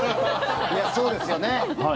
そうですよね。